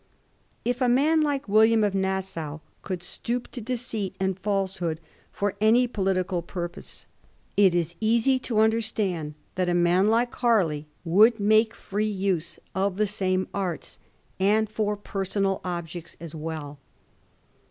If a man like William of Nassau could stoop to deceit and falsehood for any political purpose, it is Digiti zed by Google 1714 HAKLEY. 39 easy to understand that a man like Harley would make jfree use of the same arts, and for personal objects as well.